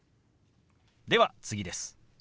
では次です。